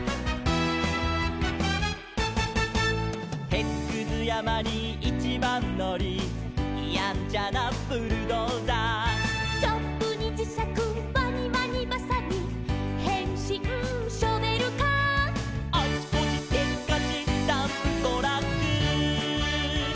「てつくずやまにいちばんのり」「やんちゃなブルドーザー」「チョップにじしゃくワニワニばさみ」「へんしんショベルカー」「あちこちせっかちダンプトラック」